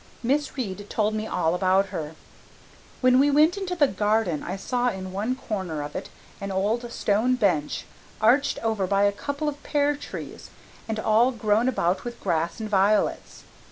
Miss Reade told me all about her. When we went into the garden I saw in one corner of it an old stone bench arched over by a couple of pear trees and all grown about with grass and violets.